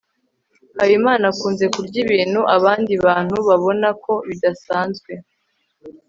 habimana akunze kurya ibintu abandi bantu babona ko bidasanzwe